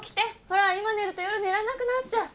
ほら今寝ると夜寝られなくなっちゃう。